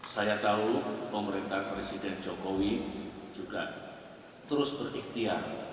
saya tahu pemerintah presiden jokowi juga terus berikhtiar